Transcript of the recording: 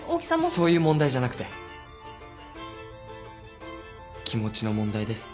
そういう問題じゃなくて気持ちの問題です。